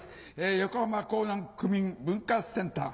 横浜・港南区民文化センター。